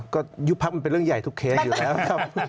ก็ยุบพักมันเป็นเรื่องใหญ่ทุกเคสอยู่แล้วครับ